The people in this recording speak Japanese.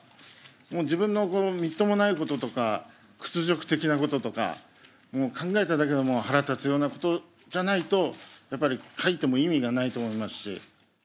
もう自分のこのみっともないこととか屈辱的なこととかもう考えただけで腹立つようなことじゃないとやっぱり書いても意味がないと思いますし。